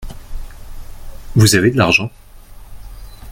Vous avez de l’argent ?